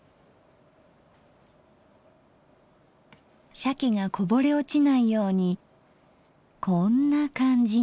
しゃけがこぼれ落ちないようにこんな感じに。